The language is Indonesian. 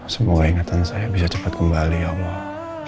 semoga ingatan saya bisa cepat kembali ya allah